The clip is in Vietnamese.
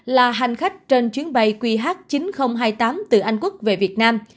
là hành khách trên chuyến bay qh chín nghìn hai mươi tám từ anh quốc về việt nam